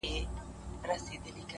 زما زما د ژوند لپاره ژوند پرې ايښی”